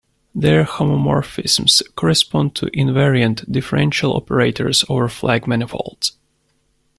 Their homomorphisms correspond to invariant differential operators over flag manifolds.